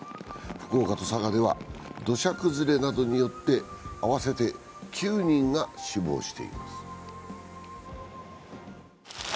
福岡と佐賀では土砂崩れなどによって合わせて９人が死亡しています。